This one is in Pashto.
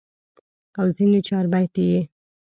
او ځني چاربيتې ئې